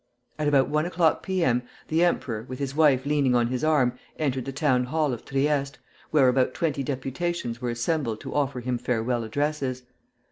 At about one o'clock P. M. the emperor, with his wife leaning on his arm, entered the town hall of Trieste, where about twenty deputations were assembled to offer him farewell addresses.